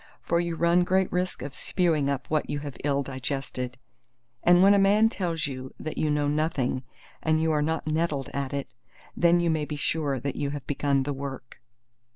For you run great risk of spewing up what you have ill digested. And when a man tells you that you know nothing and you are not nettled at it, then you may be sure that you have begun the work.